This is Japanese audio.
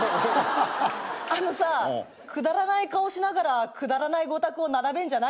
あのさくだらない顔しながらくだらないご託を並べんじゃないよ。